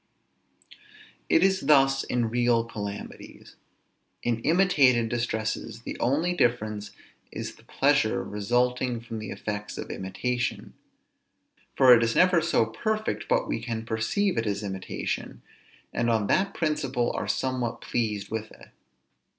It is thus in real calamities. In imitated distresses the only difference is the pleasure resulting from the effects of imitation; for it is never so perfect, but we can perceive it is imitation, and on that principle are somewhat pleased with it.